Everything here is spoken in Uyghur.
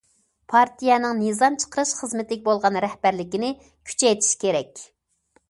پارتىيەنىڭ نىزام چىقىرىش خىزمىتىگە بولغان رەھبەرلىكىنى كۈچەيتىش كېرەك.